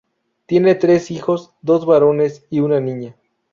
Tiene tres hijos dos varones y una niña.